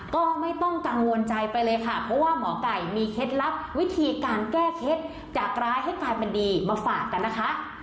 ก็ไม่ต้องกังวลใจไปเลยค่ะเพราะว่าหมอไก่มีเคล็ดลับวิธีการแก้เคล็ดจากร้ายให้กลายเป็นดีมาฝากกันนะคะ